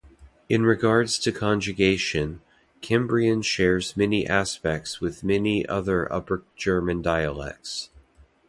In regards to conjugation, Cimbrian shares many aspects with many other upper-German dialects.